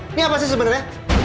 ini apa sih sebenernya